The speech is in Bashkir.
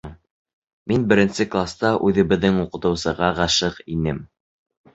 Мин беренсе класта үҙебеҙҙең уҡытыусыға ғашиҡ инем.